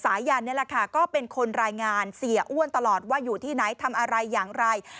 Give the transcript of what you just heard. สายันนี่แหละค่ะก็เป็นคนรายงานเสียอ้วนตลอดว่าอยู่ที่ไหนทำอะไรอย่างไร